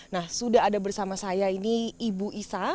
nah sudah ada bersama saya ini ibu isa